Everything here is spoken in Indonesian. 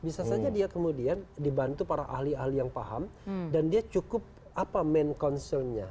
bisa saja dia kemudian dibantu para ahli ahli yang paham dan dia cukup apa main concernnya